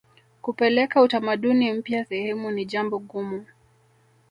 kupeleka utamaduni mpya sehemu ni jambo gumu